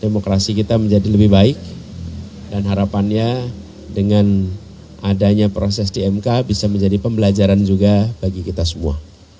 demokrasi kita menjadi lebih baik dan harapannya dengan adanya proses di mk bisa menjadi pembelajaran juga bagi kita semua